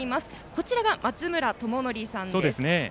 こちらが松村朝矩さんです。